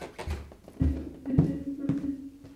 নেডের মনে রাখাটা খুবই জরুরি।